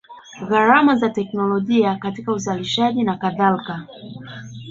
Gharama za teknolojia katika uzalishaji na kadhalika